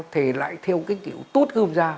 thì lại theo kiểu tốt gươm ra